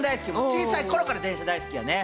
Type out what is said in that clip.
小さい頃から電車大好きやね！